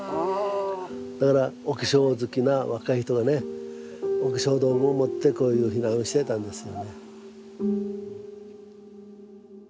だからお化粧好きな若い人がねお化粧道具を持ってこういう避難してたんですよね。